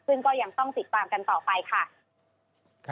ซึ่งก็ยังต้องติดตามกันต่อไปค่ะ